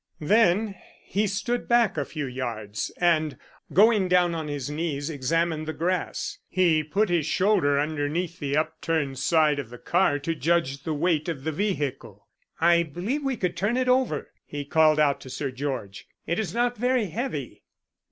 Then he stood back a few yards, and, going down on his knees, examined the grass. He put his shoulder underneath the upturned side of the car to judge the weight of the vehicle. "I believe we could turn it over," he called out to Sir George. "It is not very heavy."